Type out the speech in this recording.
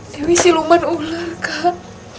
dewi siluman ular kak